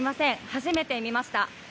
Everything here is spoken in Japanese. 初めて見ました。